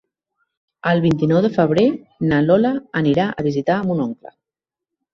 El vint-i-nou de febrer na Lola anirà a visitar mon oncle.